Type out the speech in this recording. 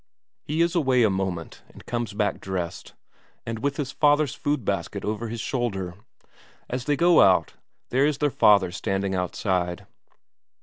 He is away a moment, and comes back dressed, and with his father's food basket over his shoulder. As they go out, there is their father standing outside.